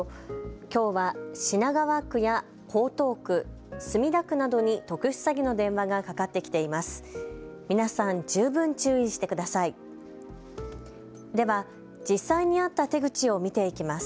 きょうは、品川区や江東区、墨田区などに特殊詐欺の電話がかかってきています。